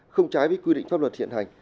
không trái với quy định pháp luật hiện hành